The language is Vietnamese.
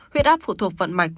huyết áp phụ thuộc vận mạch